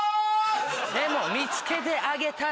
でも見つけてあげたら